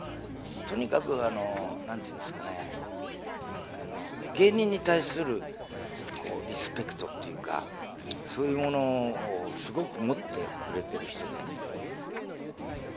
とにかく芸人に対するリスペクトっていうか、そういうものをすごく持ってくれてる人で。